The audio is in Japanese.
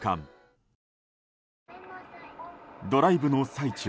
ドライブの最中